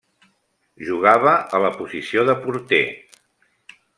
Jugava a la posició de porter.